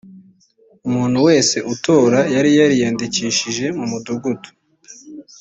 umuntu wese utora yari yariyandikishije mu mudugudu